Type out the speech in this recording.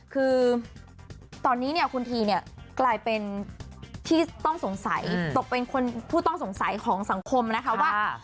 คือตอนนี้เนี่ยคุณทีเนี่ยกลายเป็นที่ต้องสงสัยตกเป็นผู้ต้องสงสัยของสังคมนะคะว่า